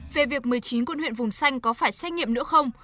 về việc một mươi chín quận huyện vùng xanh có phải xét nghiệm nữa không